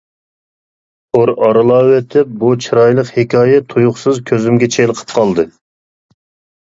تور ئارىلاۋېتىپ بۇ چىرايلىق ھېكايە تۇيۇقسىز كۆزۈمگە چېلىقىپ قالدى.